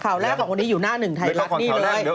ข่าวแรกของวันนี้อยู่หน้าหนึ่งไทยรัฐนี่เลย